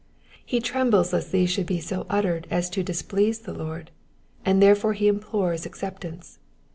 He trembles lest these should be so ill uttered as to displease the Lord, and therefore he implores acceptance.